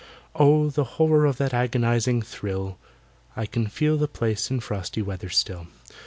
Oh! the horror of that agonizing thrill! (I can feel the place in frosty weather still).